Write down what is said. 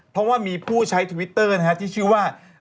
เพราะว่ามีผู้ใช้ทวิตเตอร์ที่ชื่อว่า